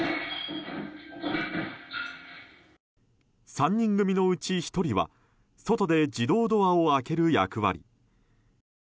３人組のうち１人は外で自動ドアを開ける役割。